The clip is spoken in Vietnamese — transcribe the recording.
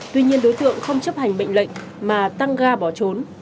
tuy nhiên đối tượng không chấp hành mệnh lệnh mà tăng ga bỏ trốn